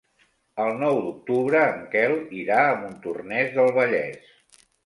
El nou d'octubre en Quel irà a Montornès del Vallès.